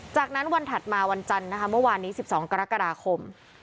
จากนั้นวันถัดมาวันจันทร์นะคะเมื่อวานนี้๑๒กรกฎาคม